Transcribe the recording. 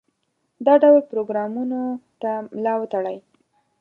دا ډول پروګرامونو ته ملا وتړي.